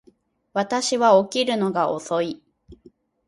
私は起きるのが遅い